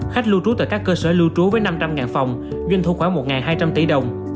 khách lưu trú tại các cơ sở lưu trú với năm trăm linh phòng doanh thu khoảng một hai trăm linh tỷ đồng